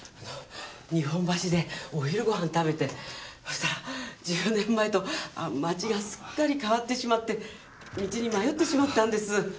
日本橋でお昼ご飯食べてそしたら１０年前と街がすっかり変わってしまって道に迷ってしまったんです。